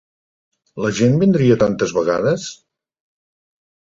La gent vindria tantes vegades?